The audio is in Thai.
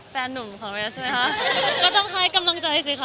แฟนหนุ่มของเรสใช่ไหมคะก็ต้องให้กำลังใจสิค่ะ